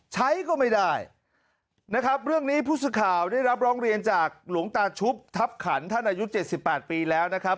ใช้ก็ไม่ได้นะครับเรื่องนี้ผู้สื่อข่าวได้รับร้องเรียนจากหลวงตาชุบทัพขันท่านอายุ๗๘ปีแล้วนะครับ